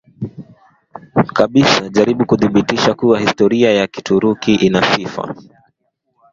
kabisa jaribu kudhibitisha kuwa historia ya Kituruki ina sifa